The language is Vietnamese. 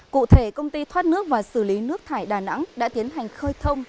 cụ thể công ty thoát nước và xử lý nước thải đà nẵng đã tiến hành khơi thông